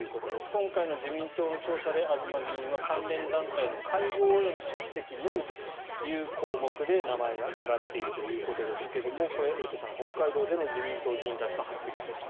今回の自民党の調査で東議員は関連団体の会合への出席のみという項目で名前が挙がっているということですがこれ、エイトさん、北海道での自民党議員たちの発言です。